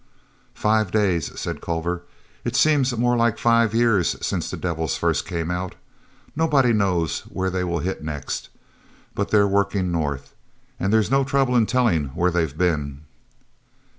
"Five days!" said Culver. "It seems more like five years since the devils first came out. Nobody knows where they will hit next. But they're working north—and there's no trouble in telling where they've been."